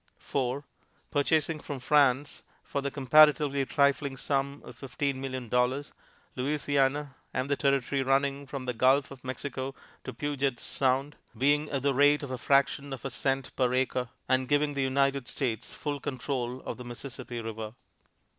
4. Purchasing from France, for the comparatively trifling sum of fifteen million dollars, Louisiana and the territory running from the Gulf of Mexico to Puget's Sound, being at the rate of a fraction of a cent per acre, and giving the United States full control of the Mississippi River.